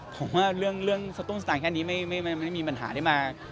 ผมว่าเรื่องสตรงสต่างแค่นี้ไม่มีปัญหาที่มา